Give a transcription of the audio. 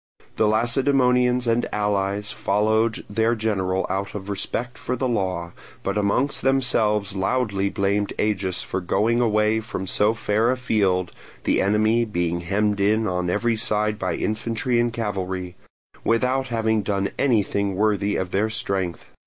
The Lacedaemonians and allies followed their general out of respect for the law, but amongst themselves loudly blamed Agis for going away from so fair a field (the enemy being hemmed in on every side by infantry and cavalry) without having done anything worthy of their strength.